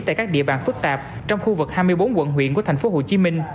tại các địa bàn phức tạp trong khu vực hai mươi bốn quận huyện của tp hcm